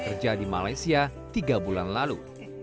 kerja di malaysia tiga bulan lalu